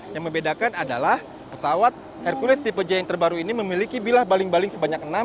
yang membedakan adalah pesawat hercules tipe j yang terbaru ini memiliki bilah baling baling sebanyak enam